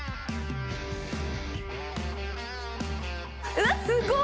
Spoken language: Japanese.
うわっすごっ！